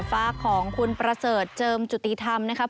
ฟ้าของคุณประเสริฐเจิมจุติธรรมนะครับ